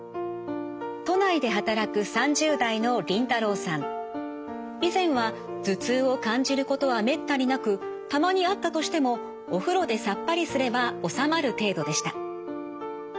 都内で働く以前は頭痛を感じることはめったになくたまにあったとしてもお風呂でさっぱりすれば治まる程度でした。